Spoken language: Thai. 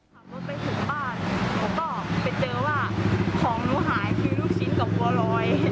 ขับรถไปถึงบ้านหนูก็ไปเจอว่าของหนูหายคือลูกชิ้นกับบัวลอย